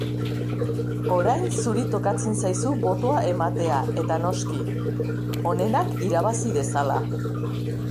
Orain zuri tokatzen zaizu botoa ematea eta noski, onenak irabazi dezala!